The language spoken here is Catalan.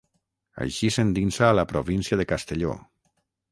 Així s'endinsa a la província de Castelló.